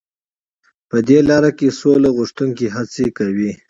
په دې لاره کې سوله غوښتونکي هڅې کوي.